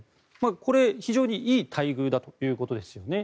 これ、非常にいい待遇だということですよね。